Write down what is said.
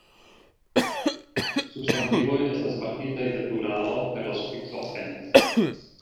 Substantivoj estas markitaj de pluralo per la sufikso "-en".